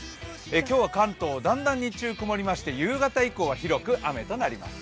今日は関東だんだん日中曇りまして、夕方以降は広く雨となります。